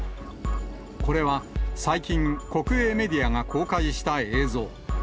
これは最近、国営メディアが公開した映像。